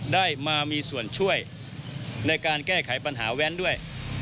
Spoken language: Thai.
ได้มามีส่วนช่วยในการแก้ไขปัญหาแว้นด้วย